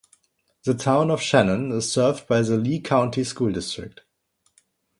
The Town of Shannon is served by the Lee County School District.